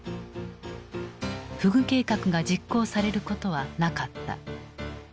河豚計画が実行されることはなかった。